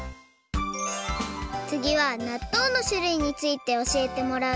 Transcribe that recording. つぎはなっとうのしゅるいについて教えてもらうよ